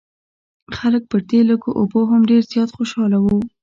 خلک پر دې لږو اوبو هم ډېر زیات خوشاله وو.